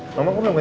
udah siap belum ma